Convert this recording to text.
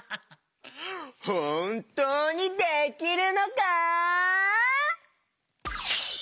ほんとうにできるのか？